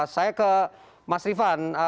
saya ke mas rifan